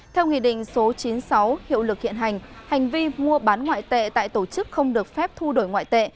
theo nghị định số chín mươi sáu hiệu lực hiện hành hành vi mua bán ngoại tệ tại tổ chức không được phép thu đổi ngoại tệ